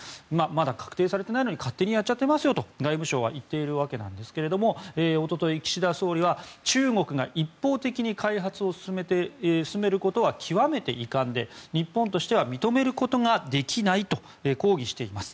まだ確定されてないのに勝手にやっちゃってますよと外務省は言っているわけですけども一昨日、岸田総理は中国が一方的に開発を進めることは極めて遺憾で日本としては認めることができないと抗議しています。